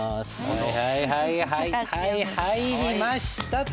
はいはい入りましたと。